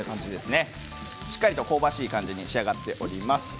しっかりと香ばしい感じに仕上がっております。